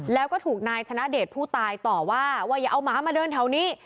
แล้วก็ถูกนายชนะเดชผู้ตายต่อว่าว่าอย่าเอาหมามาเดินแถวนี้